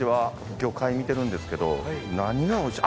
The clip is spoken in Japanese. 魚介見てるんですけど何がおいしい。